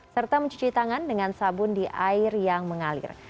serta mencuci tangan dengan sabun di air yang mengalir